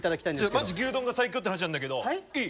マジ牛丼が最強って話なんだけどいい？